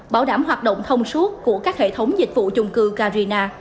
bảo đảm hoạt động thông suốt của các hệ thống dịch vụ chung cư carina